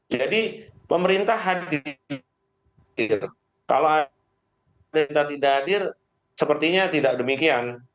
jadi pemerintah hadir kalau ada yang tidak hadir sepertinya tidak demikian